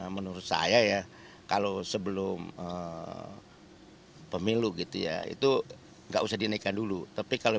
menurut saya ya kalau sebelum pemilu gitu ya itu nggak usah dinaikkan dulu tapi kalau